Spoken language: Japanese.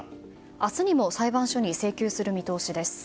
明日にも裁判所に請求する見通しです。